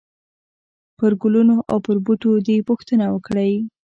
پرګلونو او پر بوټو دي، پوښتنه وکړئ !!!